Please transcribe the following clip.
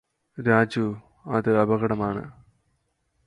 രാജു അത് അപകടമാണ്